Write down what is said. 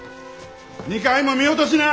２階も見落としな！